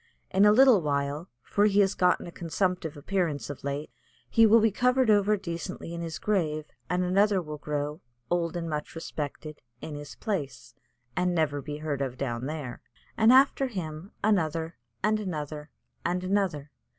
In a little while, for he has gotten a consumptive appearance of late, he will be covered over decently in his grave, and another will grow, old and much respected, in his place, and never be heard of down there, and after him another and another and another.